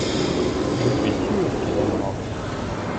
je suis sûr qu'elle aimera.